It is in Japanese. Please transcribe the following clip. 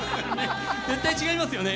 絶対違いますよね。